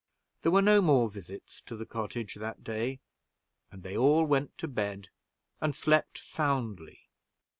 There were no more visits to the cottage that day, and they all went to bed, and slept soundly.